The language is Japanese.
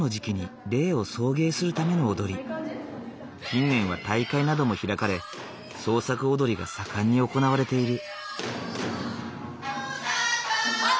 近年は大会なども開かれ創作踊りが盛んに行われている。